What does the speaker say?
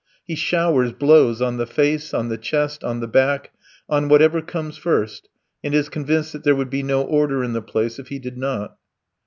He showers blows on the face, on the chest, on the back, on whatever comes first, and is convinced that there would be no order in the place if he did not.